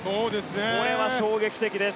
これは衝撃的です。